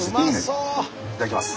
いただきます。